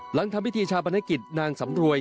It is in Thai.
หลังทำพิธีชาปนกิจนางสำรวย